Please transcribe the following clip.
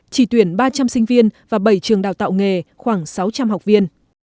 chỉ tuyển ba trăm linh sinh viên và bảy trường đào tạo nghề khoảng sáu trăm linh học viên